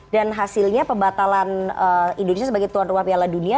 dan hasilnya pembatalan indonesia sebagai tuan rumah piala dunia